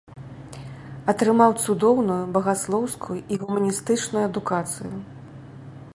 Атрымаў цудоўную багаслоўскую і гуманістычную адукацыю.